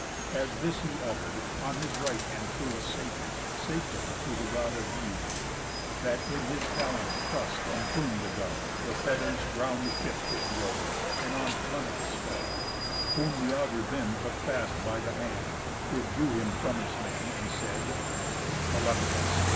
As this he utter'd, on his right hand flew A saker, sacred to the God of view, That in his talons truss'd and plum'd a dove; The feathers round about the ship did rove, And on Telemachus fell; whom th' augur then Took fast by the hand, withdrew him from his men, And said: "Telemachus!